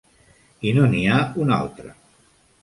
I no n'hi ha un altre.